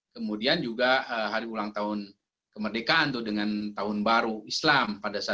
kemudian juga hari ulang tahun kemerdekaan dengan tahun baru islam